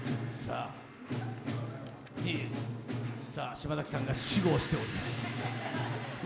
島崎さんが私語をしておりますね。